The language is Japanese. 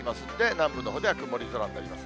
南部のほうでは曇り空となります。